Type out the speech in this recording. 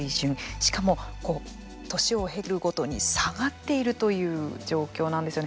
しかも、年を経るごとに下がっているという状況なんですよね。